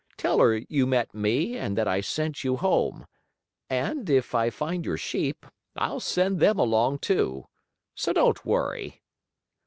Tell her you met me and that I sent you home. And, if I find your sheep, I'll send them along, too. So don't worry."